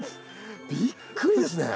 びっくりですね。